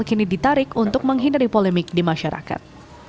kini ditarik untuk menghindari polemik di masyarakat